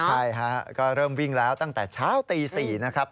ใช่ฮะก็เริ่มวิ่งแล้วตั้งแต่เช้าตี๔นะครับ